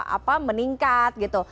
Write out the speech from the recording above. apa meningkat gitu